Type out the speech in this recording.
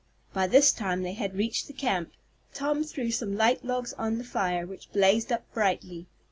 By this time they had reached the camp. Tom threw some light logs on the fire, which blazed up brightly.